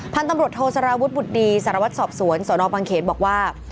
พันธุ์ตำรวจโทสารวุฒิบุตรดีสารวัตรสอบสวนสนบังเขนบอกว่า